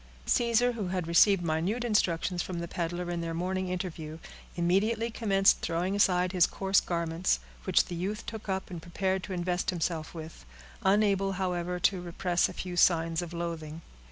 Caesar, who had received minute instructions from the peddler in their morning interview, immediately commenced throwing aside his coarse garments, which the youth took up and prepared to invest himself with; unable, however, to repress a few signs of loathing.